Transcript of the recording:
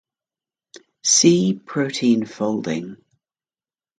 See protein folding.